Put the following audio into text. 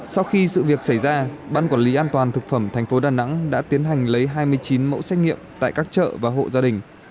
sau khi sự việc xảy ra ban quản lý an toàn thực phẩm tp đà nẵng đã tiến hành lấy hai mươi chín mẫu xét nghiệm tại các chợ và hộ gia đình